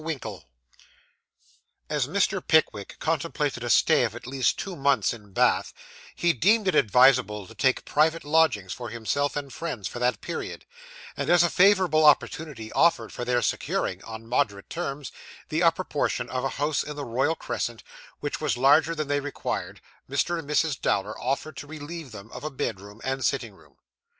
WINKLE As Mr. Pickwick contemplated a stay of at least two months in Bath, he deemed it advisable to take private lodgings for himself and friends for that period; and as a favourable opportunity offered for their securing, on moderate terms, the upper portion of a house in the Royal Crescent, which was larger than they required, Mr. and Mrs. Dowler offered to relieve them of a bedroom and sitting room.